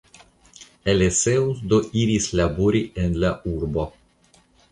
Eleseus do iris labori en la urbo.